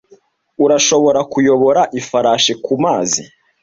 Urashobora kuyobora ifarashi kumazi,